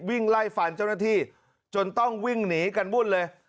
วิ่งไล่ฟันเจ้าหน้าที่จนต้องวิ่งหนีกันวุ่นเลย